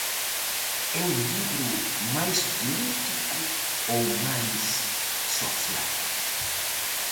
É un libro máis político ou máis social?